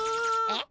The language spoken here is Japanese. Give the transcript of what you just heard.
えっ？